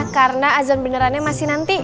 karena azan benerannya masih nanti